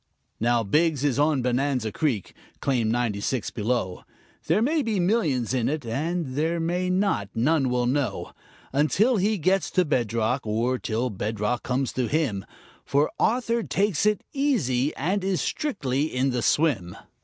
Now, Biggs is on Bonanza Creek, claim ninety six, below; There may be millions in it, and there may not; none will know Until he gets to bedrock or till bedrock comes to him For Arthur takes it easy and is strictly in the swim.